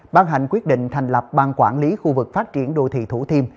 ban hành quyết định thành lập ban quản lý khu vực phát triển đô thị thủ thiêm